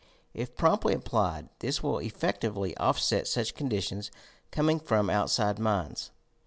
If promptly applied, tbis will effectually offset such condi tions coming from outside miuds.